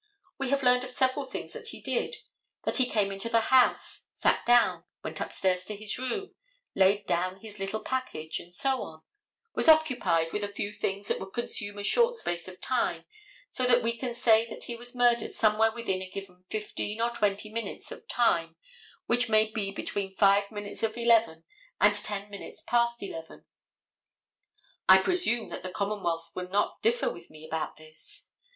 We have learned of several things that he did, that he came into the house, sat down, went upstairs to his room, laid down his little package, and so on, was occupied with a few things that would consume a short space of time, so that we can say that he was murdered somewhere within a given fifteen or twenty minutes of time which may be between five minutes of 11 and ten minutes past 11. I presume that the commonwealth will not differ with me about this.